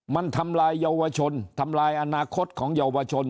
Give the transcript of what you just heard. มันทำลายเยาวชนทำลายอนาคตของเยาวชน